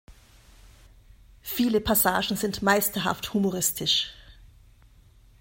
Viele Passagen sind meisterhaft humoristisch.